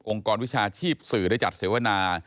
กรวิชาชีพสื่อได้จัดเสวนา